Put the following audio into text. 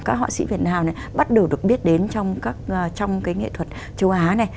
các họa sĩ việt nam này bắt đầu được biết đến trong cái nghệ thuật châu á này